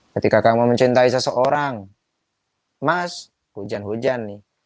ketika kamu mencintai seseorang mas hujan hujan nih